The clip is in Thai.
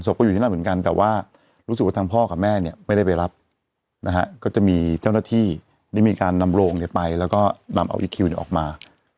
อยู่ที่นั่นเหมือนกันแต่ว่ารู้สึกว่าทางพ่อกับแม่เนี่ยไม่ได้ไปรับนะฮะก็จะมีเจ้าหน้าที่ได้มีการนำโรงไปแล้วก็นำเอาอีคิวออกมา